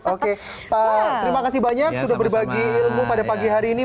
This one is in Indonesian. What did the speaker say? oke pak terima kasih banyak sudah berbagi ilmu pada pagi hari ini